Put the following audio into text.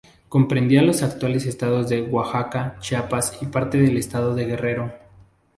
Comprendía los actuales estados de Oaxaca, Chiapas y parte del estado de Guerrero.